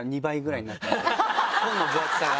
本の分厚さが。